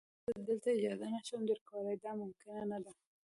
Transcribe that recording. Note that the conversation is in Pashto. زه تاسي ته دلته اجازه نه شم درکولای، دا ممکنه نه ده.